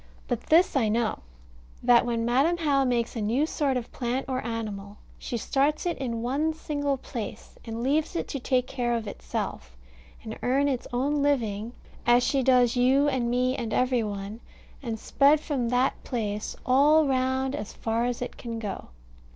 But this I know: that when Madam How makes a new sort of plant or animal, she starts it in one single place, and leaves it to take care of itself and earn its own living as she does you and me and every one and spread from that place all round as far as it can go.